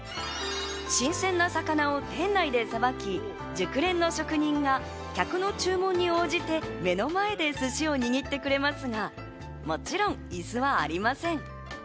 新鮮な魚を店内でさばき、熟練の職人が客の注文に応じて目の前で寿司を握ってくれますがもちろん椅子はありません。